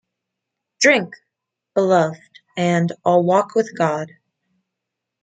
Drink!," "Beloved," and "I'll Walk With God.